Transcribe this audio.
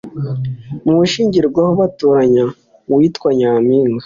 Mu bishingirwaho batoranya uwitwa Nyampinga